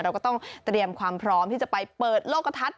เราก็ต้องเตรียมความพร้อมที่จะไปเปิดโลกกระทัด